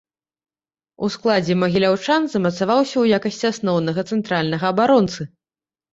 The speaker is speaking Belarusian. У складзе магіляўчан замацаваўся ў якасці асноўнага цэнтральнага абаронцы.